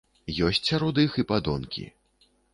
Ёсць сярод іх і падонкі.